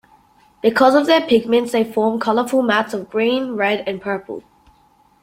Because of their pigments, they form colorful mats of green, red and purple.